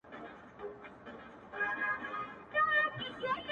په لس ګونو چي مي خپل خپلوان وژلي!!